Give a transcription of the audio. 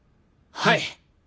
はい！